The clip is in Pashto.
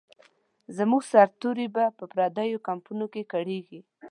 زموږ سرتوري به په پردیو کمپونو کې کړیږي.